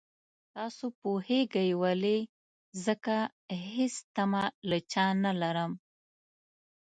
تاسو پوهېږئ ولې ځکه هېڅ تمه له چا نه لرم.